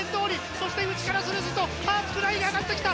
そして内からするっとハーツクライが上がってきた！